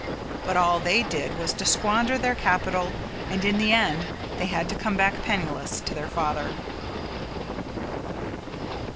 But all they did was to squander their capital and in the end they had to come back penniless to their father.